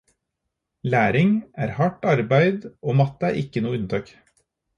Læring er hardt arbeid og matte er ikke noe unntak.